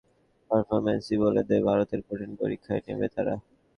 Group পর্বে বাংলাদেশের অসাধারণ পারফরম্যান্সই বলে দেয়, ভারতের কঠিন পরীক্ষাই নেবে তারা।